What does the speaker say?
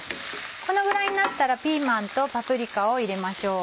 このぐらいになったらピーマンとパプリカを入れましょう。